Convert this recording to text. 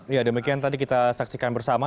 ya demikian tadi kita saksikan bersama